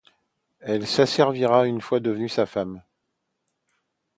Elle l'asservira une fois devenue sa femme.